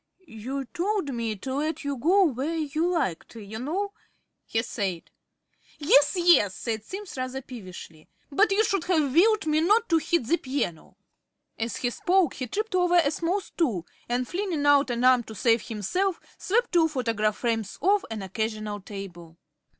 "You told me to let you go where you liked, you know," he said. "Yes, yes," said Simms rather peevishly, "but you should have willed me not to hit the piano." As he spoke he tripped over a small stool and, flinging out an arm to save himself, swept two photograph frames off an occasional table.